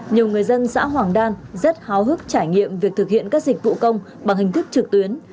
nhiều người dân xã hoàng đan rất háo hức trải nghiệm việc thực hiện các dịch vụ công bằng hình thức trực tuyến